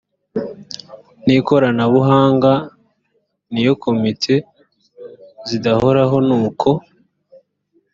n ikoranabuhanga n iya komite zidahoraho n uko